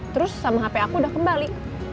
terus sama hp aku udah kembali